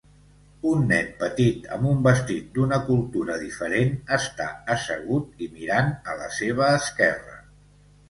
Un nen petit amb un vestit d'una cultura diferent està assegut i mirant a la seva esquerra.